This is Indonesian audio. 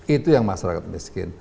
itu yang masyarakat miskin